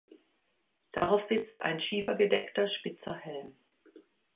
Darauf sitzt ein schiefergedeckter spitzer Helm.